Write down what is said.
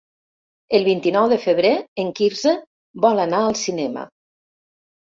El vint-i-nou de febrer en Quirze vol anar al cinema.